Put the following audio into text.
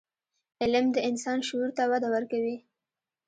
علم د انسان شعور ته وده ورکوي.